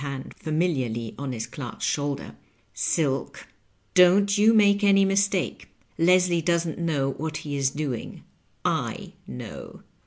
hand familiarly on his clerk's shoulder, ^^ Silk, don't you make any mistake ; Leslie doesn't know what he is do ing — /know.